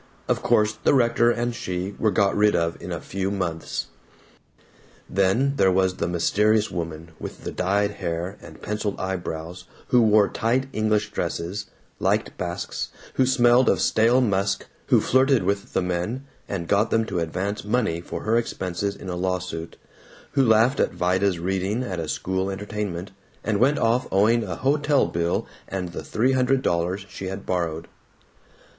Of course the rector and she were got rid of in a few months. Then there was the mysterious woman with the dyed hair and penciled eyebrows, who wore tight English dresses, like basques, who smelled of stale musk, who flirted with the men and got them to advance money for her expenses in a lawsuit, who laughed at Vida's reading at a school entertainment, and went off owing a hotel bill and the three hundred dollars she had borrowed.